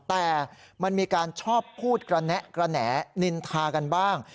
แต่มันมีการชอบพูดกระแนะกระแหนทากันบ้าง